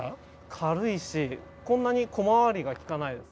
軽いしこんなに小回りが利かないです。